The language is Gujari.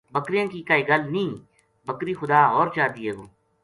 بکریاں کی کائی گل نیہہ بکری خدا ہور چا دیئے گو